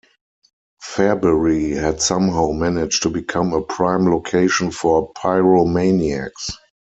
Fairbury had somehow managed to become a prime location for pyromaniacs.